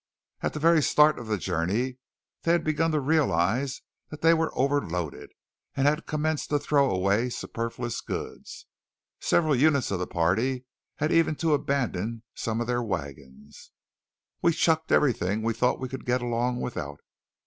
At the very start of the journey they had begun to realize that they were overloaded, and had commenced to throw away superfluous goods. Several units of the party had even to abandon some of their wagons. "We chucked everything we thought we could get along without.